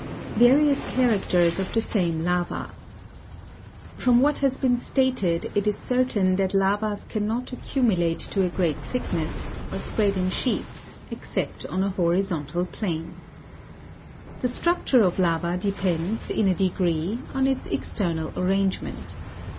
35. Various characters of the same lava. From what has been stated, it is certain that lavas cannot accumulate to a great thick ness, or spread in sheets, except on a horizontal plain. The struc ture of lava depends, in a degree, on its external arrangement.